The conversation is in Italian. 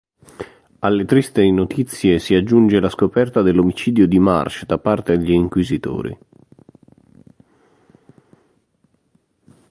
Alle tristi notizie si aggiunge la scoperta dell'omicidio di Marsh da parte degli inquisitori.